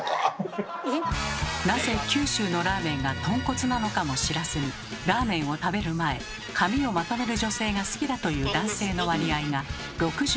なぜ九州のラーメンがとんこつなのかも知らずにラーメンを食べる前髪をまとめる女性が好きだという男性の割合が６６％。